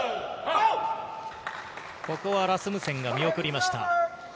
ここはラスムセンが見送りました。